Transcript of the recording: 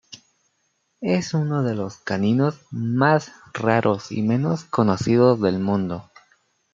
Es uno de los cánidos más raros y menos conocidos del mundo.